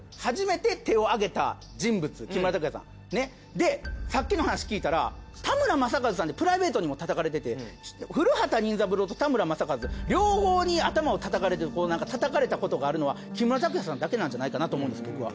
でさっきの話聞いたら田村正和さんでプライベートにも叩かれてて古畑任三郎と田村正和両方に頭を叩かれてる叩かれたことがあるのは木村拓哉さんだけなんじゃないかなと思うんです僕は。